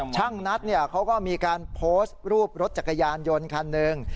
ช่างนัทเขาก็มีการโพสต์รูปรถจักรยานยนต์คันหนึ่ง